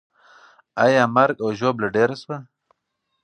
آیا مرګ او ژوبله ډېره سوه؟